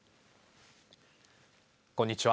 こんにちは。